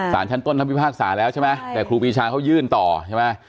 สารชั้นต้นท่านพิพากษาแล้วใช่ไหมแต่ครูปีชาเขายื่นต่อใช่ไหม